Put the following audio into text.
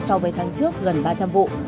so với tháng trước gần ba trăm linh vụ